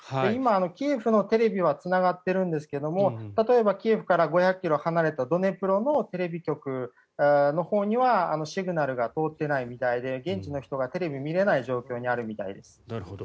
今、キエフのテレビはつながっているんですけれど例えばキエフから５００ｋｍ離れた街のテレビ局のほうにはシグナルが通っていないみたいで現地の人がテレビを見れない状況にあるみたいです。